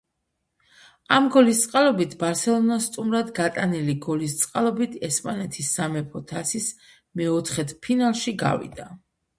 ამ გოლის წყალობით ბარსელონა სტუმრად გატანილი გოლის წყალობით ესპანეთის სამეფო თასის მეოთხედფინალში გავიდა.